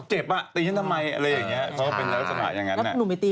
เจ็บอ่าปั๊ปตีฉันทำไมอะไรอย่างเนี้ย